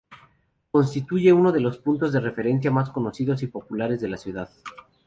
Constituye uno de los puntos de referencia más conocidos y populares de la ciudad.